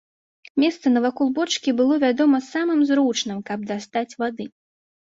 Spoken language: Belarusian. Месца навакол бочкі было, вядома, самым зручным, каб дастаць вады.